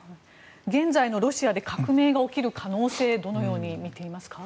現在のロシアで革命が起きる可能性どのように見ていますか。